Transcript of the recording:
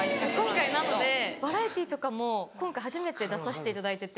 今回なのでバラエティーとかも今回初めて出さしていただいてて。